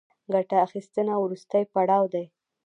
ګټه اخیستنه وروستی پړاو دی